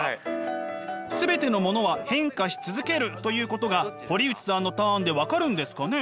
「全てのものは変化し続ける」ということが堀内さんのターンで分かるんですかね？